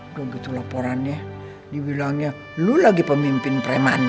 udah gitu laporannya dibilangnya lo lagi pemimpin preman